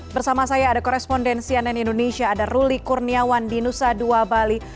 bersama saya ada korespondensi ann indonesia ada ruli kurniawan di nusa dua bali